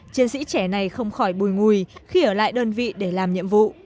chiến sĩ trẻ này không khỏi bùi ngùi khi ở lại đơn vị để làm nhiệm vụ